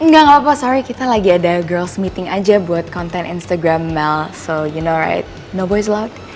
gak gapapa sorry kita lagi ada girls meeting aja buat konten instagram mel so you know right no boys allowed